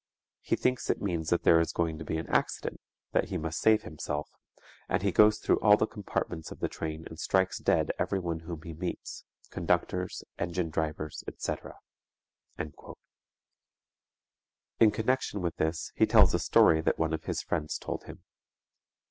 He thinks it means that there is going to be an accident, that he must save himself, and he goes through all the compartments of the train and strikes dead everyone whom he meets, conductors, engine drivers, etc._" In connection with this he tells a story that one of his friends told him.